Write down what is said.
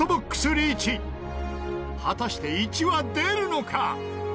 果たして１は出るのか？